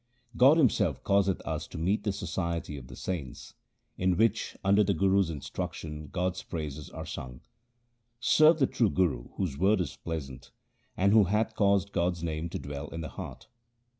God himself causeth us to meet the society of the saints, in which under the Guru's instruction God's praises are sung. Serve the true Guru whose word is pleasant, And who hath caused God's name to dwell in the heart.